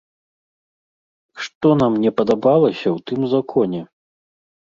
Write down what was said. Што нам не падабалася ў тым законе?